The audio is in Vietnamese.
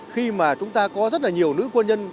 khi mà chúng ta có rất là nhiều nữ quân nhân